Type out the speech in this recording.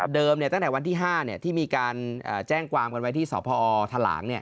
ตั้งแต่วันที่๕ที่มีการแจ้งความกันไว้ที่สพทหลาง